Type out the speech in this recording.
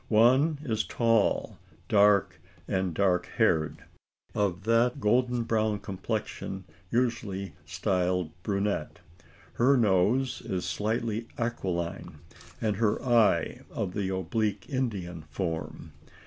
One is tall, dark, and dark haired, of that golden brown complexion usually styled brunette. Her nose is slightly aquiline, and her eye of the oblique Indian form.